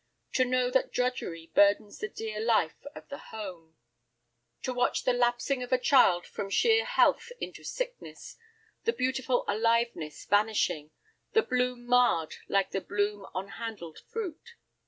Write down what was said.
To know that drudgery burdens the dear life of the home. To watch the lapsing of a child from sheer health into sickness, the beautiful aliveness vanishing, the bloom marred like the bloom on handled fruit.